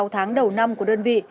sáu tháng đầu năm của đơn vị